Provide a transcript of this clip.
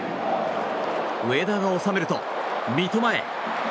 上田が収めると、三笘へ。